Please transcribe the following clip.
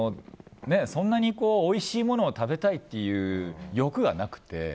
そんなにおいしいものを食べたいという欲がなくて。